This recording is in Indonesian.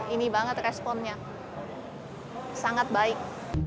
ini banget responnya sangat baik